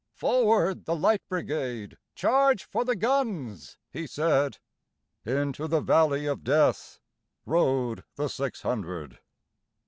"Forward, the Light Brigade! Charge for the guns!" he said:Into the valley of DeathRode the six hundred.